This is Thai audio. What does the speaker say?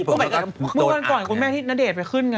เมื่อก่อนคุณแม่ที่นเดชน์ไปขึ้นค่ะ